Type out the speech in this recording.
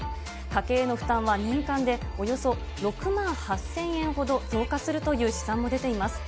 家計の負担は年間でおよそ６万８０００円ほど増加するという試算も出ています。